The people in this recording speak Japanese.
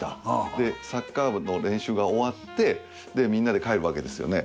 でサッカー部の練習が終わってみんなで帰るわけですよね。